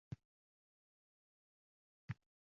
Tan bermadi hech qachon.